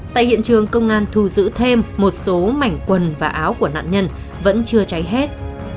tại hiện trường công an thu giữ thêm một số mảnh quần và áo của nạn nhân vẫn chưa cháy hết